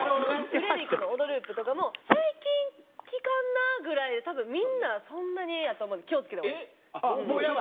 フレデリックの『オドループ』とかも最近聴かんなあぐらいで多分みんなそんなにやと思うんで気を付けた方がいいです。